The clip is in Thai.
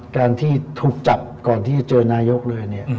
การที่ถูกจับก่อนที่จะเจอนายกเลยเนี่ย